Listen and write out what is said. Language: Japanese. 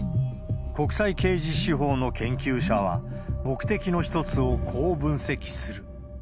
国際刑事司法の研究者は、目的の一つをこう分析する。